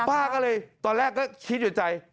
ป้าก็เลยตอนแรกก็คิดอยู่ใจ